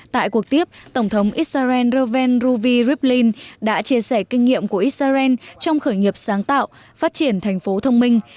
tại cuộc tiếp tổng thống israel reuven ruvin rivlin đã chia sẻ kinh nghiệm của israel trong khởi nghiệp sáng tạo phát triển thành phố thông minh